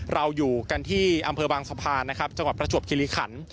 เราอยู่กันที่อำเภอบางสะพานนะครับจังหวัดประจวบคิริขัน